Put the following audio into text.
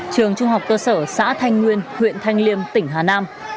trường trung học cơ sở xã thanh nguyên huyện thanh liêm tỉnh hà nam